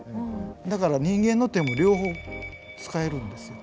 だから人間の手も両方使えるんですよ。